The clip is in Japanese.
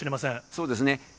そうですね。